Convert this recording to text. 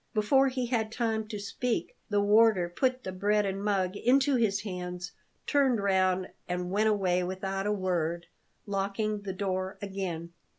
Before he had time to speak, the warder put the bread and mug into his hands, turned round and went away without a word, locking the door again.